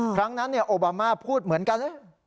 ครั้งนั้นโอบามาพูดเหมือนกัน